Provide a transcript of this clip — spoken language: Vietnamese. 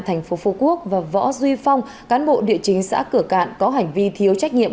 thành phố phú quốc và võ duy phong cán bộ địa chính xã cửa cạn có hành vi thiếu trách nhiệm